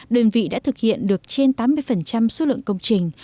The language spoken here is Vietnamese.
đơn vị đã thực hiện được trên tám mươi số lượng công trình